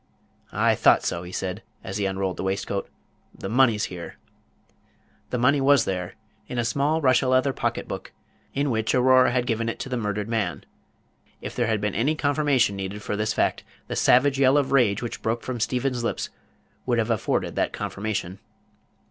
"I thought so," he said, as he unrolled the waistcoat; "the money's here." The money was there, in a small Russia leather pocket book, in which Aurora had given it to the murdered man. If there had been any confirmation needed for this fact, the savage yell of rage which broke from Stephen's lips would have afforded that confirmation.